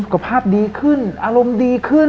ภาพดีขึ้นอารมณ์ดีขึ้น